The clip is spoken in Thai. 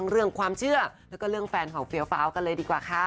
เรื่องความเชื่อแล้วก็เรื่องแฟนของเฟียวฟ้าวกันเลยดีกว่าค่ะ